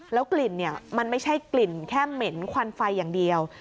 กลิ่นมันไม่ใช่กลิ่นแค่เหม็นควันไฟอย่างเดียว